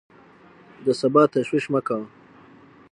د سبا تشویش مه کوه!